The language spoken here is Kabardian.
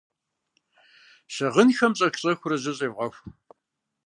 Щыгъынхэм щӀэх-щӀэхыурэ жьы щӏевгъэху.